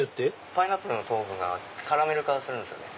パイナップルの糖分がカラメル化するんですよね。